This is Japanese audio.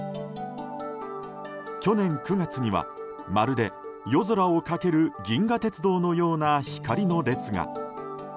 去年９月にはまるで夜空を駆ける銀河鉄道のような光の列が。